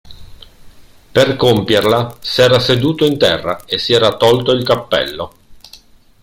Per compierla s'era seduto in terra e si era tolto il cappello.